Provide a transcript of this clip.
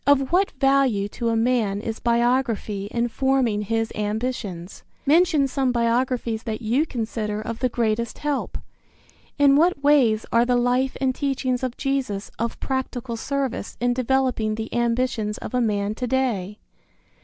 Of what value to a man is biography in forming his ambitions? Mention some biographies that you consider of the greatest help. In what ways are the life and teachings of Jesus of practical service in developing the ambitions of a man to day?